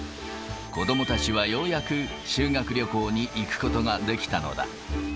子どもたちはようやく修学旅行に行くことができたのだ。